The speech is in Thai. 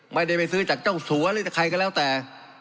ไม่ได้ไปซื้อจากเจ้าสัวหรือจะใครก็แล้วแต่